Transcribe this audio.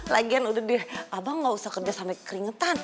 lagian udah deh abang gak usah kerja sampai keringetan